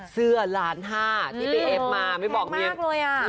เสื้อล้านห้าที่ไปเอฟมาไม่บอกในเนียนแข็งมากเลยอะ